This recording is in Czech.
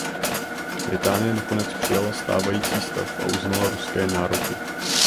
Británie nakonec přijala stávající stav a uznala ruské nároky.